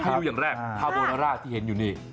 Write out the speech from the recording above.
รู้อย่างแรกทาโบนาร่าที่เห็นอยู่นี่